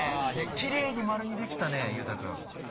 キレイに丸にできたね結太くん。